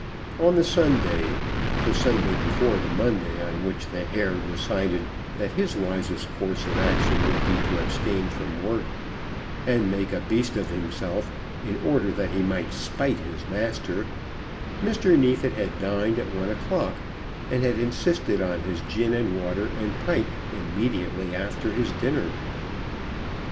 On the Sunday, the Sunday before the Monday on which the Herr decided that his wisest course of action would be to abstain from work and make a beast of himself, in order that he might spite his master, Mr. Neefit had dined at one o'clock, and had insisted on his gin and water and pipe immediately after his dinner.